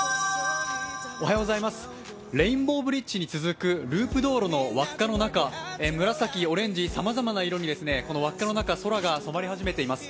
レインボーブリッジに続くループ道路の輪っかの中、紫、オレンジ、さまざまな色に輪っかの中、空が染まり始めています。